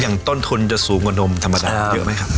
ต้นทุนจะสูงกว่านมธรรมดาเยอะไหมครับ